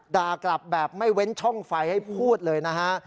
ด่ากลับแบบไม่เว้นช่องไฟให้พูดเลยนะฮะ